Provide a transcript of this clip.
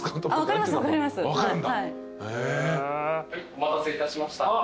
お待たせいたしました。